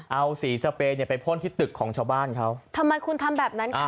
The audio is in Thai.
เอาสีสเปรย์เนี่ยไปพ่นที่ตึกของชาวบ้านเขาทำไมคุณทำแบบนั้นค่ะ